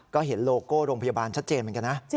ก็เห็นโลโก้โรงพยาบาลชัดเจนเหมือนกันนะ